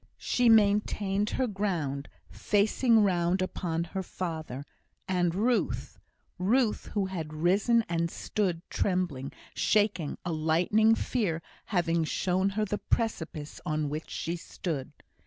She maintained her ground, facing round upon her father, and Ruth Ruth, who had risen, and stood trembling, shaking, a lightning fear having shown her the precipice on which she stood.